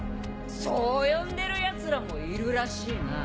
そう呼んでるやつらもいるらしいな。